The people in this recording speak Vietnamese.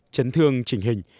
chấn thương trình hình